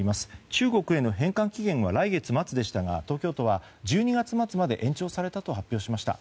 中国への返還期限は来月末でしたが東京都は１２月末まで延長されたと発表しました。